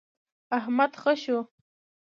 احمد خې شو.